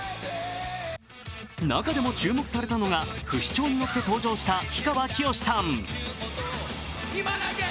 中でも注目されたのが不死鳥に乗って登場した氷川きよしさん。